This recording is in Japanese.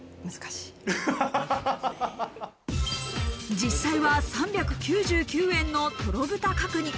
実際は３９９円の「トロぶた角煮」。